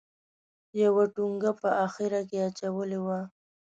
یوه ټونګه په اخره کې اچولې وه.